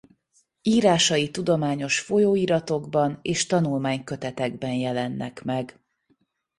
Írásai tudományos folyóiratokban és tanulmánykötetekben jelennek meg.